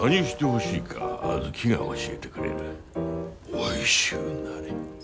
おいしゅうなれ。